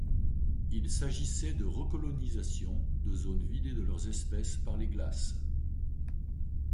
Il s'agissait de recolonisation de zones vidées de leurs espèces par les glaces.